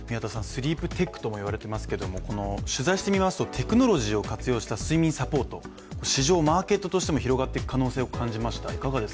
スリープテックともいわれていますけど取材してみますとテクノロジーを活用した睡眠サポート市場、マーケットとしても広がっていく可能性を感じました。